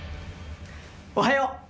おはよう！